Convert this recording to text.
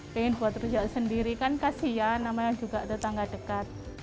pengen buat rujak sendiri kan kasian namanya juga tetangga dekat